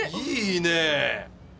いいね！